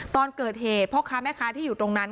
ตอนเกิดเหตุพ่อค้าแม่ค้าที่อยู่ตรงนั้น